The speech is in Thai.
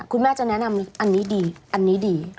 คุณแม่จะแนะนำอันนี้ดีอันนี้ดี